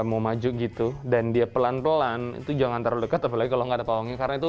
mau maju gitu dan dia pelan pelan itu jangan terdekat kalau nggak ada pohonnya karena itu